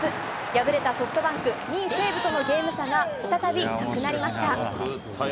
敗れたソフトバンク、２位西武とのゲーム差が再びなくなりました。